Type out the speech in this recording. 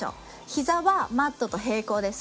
膝はマットと平行です。